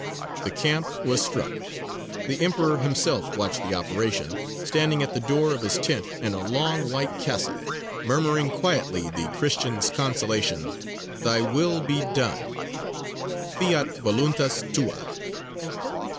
The camp was struck: the Emperor himself watched the operation, standing at the door of his tent in a long white cassock, murmuring quietly the Christian's consolation: "Thy will be done" _Fiat voluntas Tua!